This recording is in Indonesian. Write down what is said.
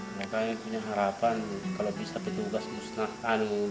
mereka punya harapan kalau bisa bertugas musnah